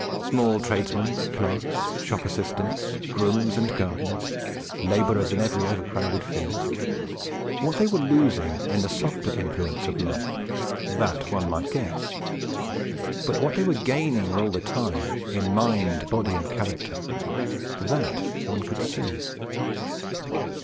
Small tradesmen, clerks, shop assistants, grooms and gardeners, labourers in every overcrowded field, what they were losing in the softer influences of life, that one might guess, but what they were gaining all the time, in mind, body, and character, that one could see.